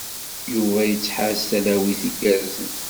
Yuba yettḥaz talawit igerrzen.